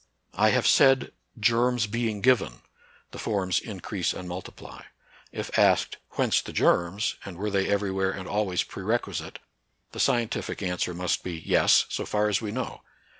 I have said, " germs being given," the forms increase and multiply. If asked, Whence the 22 NATURAL SCIENCE AND RELIGION. germs, and were they everywhere and always prerequisite ? the scientific answer must be yes, so far as we know.